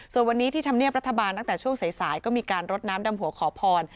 ส่วนวันนี้ที่ธรรมเนียบรัฐบาลตั้งแต่ช่วงสายก็มีการรดน้ำดำหัวขอพร